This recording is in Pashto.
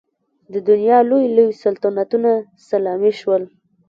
د دنیا لوی لوی سلطنتونه سلامي شول.